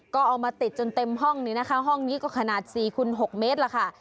ก็เอามาติดจนเต็มห้องนี้นะคะห้องนี้ก็ขนาด๔คูณ๖เมตรล่ะค่ะ